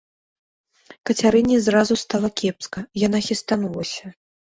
Кацярыне зразу стала кепска, яна хістанулася.